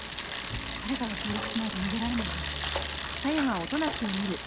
誰かが協力しないと逃げられないはず。